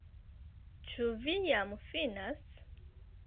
Ĉu vi jam finas?